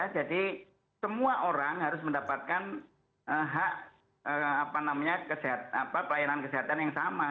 jadi semua orang harus mendapatkan hak pelayanan kesehatan yang sama